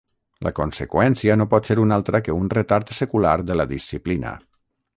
La conseqüència no pot ser una altra que un retard secular de la disciplina.